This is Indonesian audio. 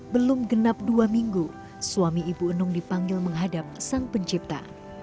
belum genap dua minggu suami ibu enung dipanggil menghadap sang pencipta